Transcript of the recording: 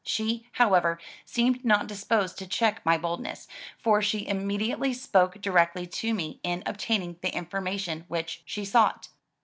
She, however, seemed not disposed to check my boldness, for she immediately spoke directly to me in obtaining the information which she sought.